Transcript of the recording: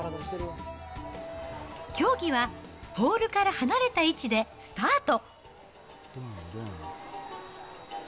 競技は、ポールから離れた位置でスタート。